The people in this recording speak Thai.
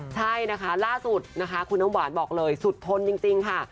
ใช่นะคะล่าสุดนะคะคุณน้ำหวานบอกเลยสุดทนจริงค่ะ